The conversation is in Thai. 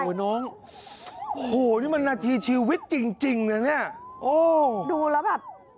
โอ้โหน้องโธ่หูนี่มันหน้าที่ชีวิตจริงเนี่ยเนี่ยโหดูแล้วแบบ